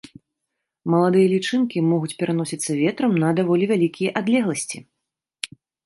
Маладыя лічынкі могуць пераносіцца ветрам на даволі вялікія адлегласці.